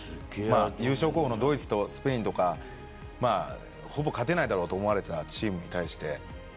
優勝候補のドイツとスペインとかほぼ勝てないだろうと思われていたチームに対して。